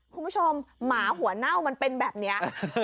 คุณผู้ชมหมาหัวเน่ามันเป็นแบบเนี้ย